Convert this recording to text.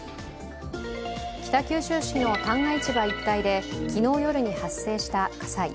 北九州市の旦過市場一帯で昨日夜に発生した火災。